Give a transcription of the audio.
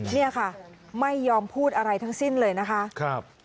เนี่ยค่ะไม่ยอมพูดอะไรทั้งสิ้นเลยนะคะ